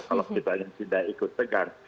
kalau kita yang tidak ikut tegar